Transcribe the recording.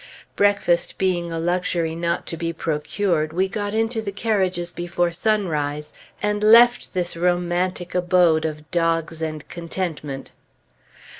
Breakfast being a luxury not to be procured, we got into the carriages before sunrise, and left this romantic abode of dogs and contentment.